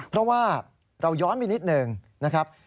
เพราะว่าเราย้อนไปนิดหนึ่งนะครับ